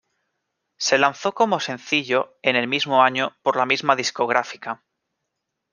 Se lanzó como sencillo en el mismo año por la misma discográfica.